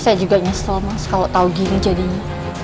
saya juga nyesel mas kalau tahu gini jadinya